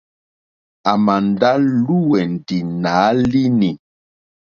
À mà ndá lùwɛ̀ndì nǎ línì.